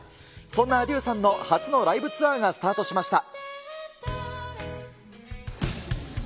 そんなａｄｉｅｕさんの初のライブツアーがスタートしました。